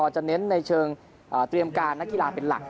จะเน้นในเชิงเตรียมการนักกีฬาเป็นหลัก